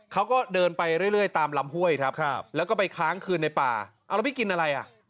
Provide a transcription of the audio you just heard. เขาก็เดินไปเรื่อยตามลำห้วยครับแล้วก็ไปค้างคืนในป่าเอาแล้วพี่กินอะไรอ่ะ